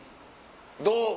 どう？